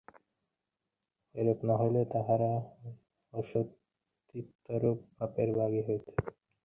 বাংলাদেশ যে ঠিক করেছিল ভারতের বোলারদের ঠিকমতো অনুশীলন করতে দেবে না।